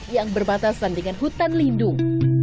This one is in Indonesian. yang berbatasan dengan hutan lindung